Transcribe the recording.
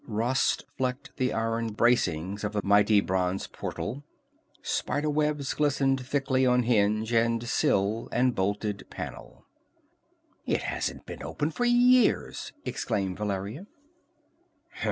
Rust flecked the iron bracings of the mighty bronze portal. Spiderwebs glistened thickly on hinge and sill and bolted panel. "It hasn't been opened for years!" exclaimed Valeria.